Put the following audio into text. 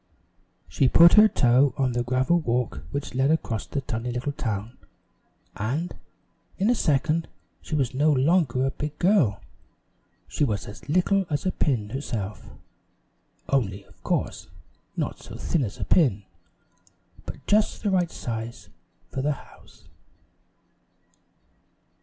She put her toe on the gravel walk which led across the tiny little town, and, in a second she was no longer a big girl; she was as little as a pin herself, only, of course, not so thin as a pin, but just the right size for the house.